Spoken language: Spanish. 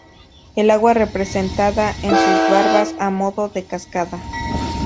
El agua representada en sus barbas a modo de cascada.